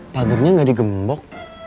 pagernya gak digembok